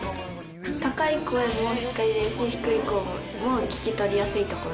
高い声もしっかり出るし低い声も聞き取りやすいところ。